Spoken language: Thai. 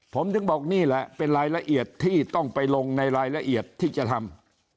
ผมถึงบอกนี่แหละเป็นรายละเอียดที่ต้องไปลงในรายละเอียดที่จะทำ